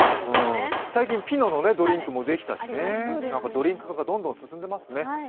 最近、ピノのドリンクもできたしねドリンク化がどんどん進んでますね。